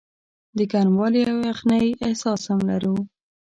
د ګرموالي او یخنۍ احساس هم لرو.